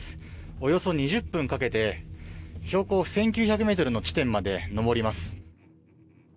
およそ２０分かけて標高１９００ｍの地点まで登ります。